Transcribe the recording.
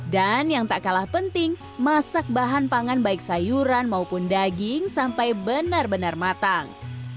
yang tak kalah penting masak bahan pangan baik sayuran maupun daging sampai benar benar matang